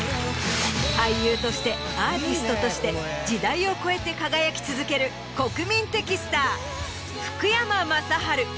俳優としてアーティストとして時代を超えて輝き続ける国民的スター。